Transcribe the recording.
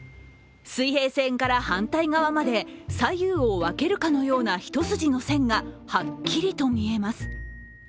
水平線から反対側まで、左右を分けるかのような一筋の線がはっきりと見えます。